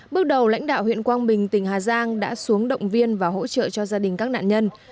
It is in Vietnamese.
bước đầu lãnh đạo huyện quang bình tỉnh hà giang đã xuống động viên và hỗ trợ cho gia đình các nạn nhân